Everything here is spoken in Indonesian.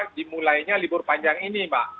dimulainya libur panjang ini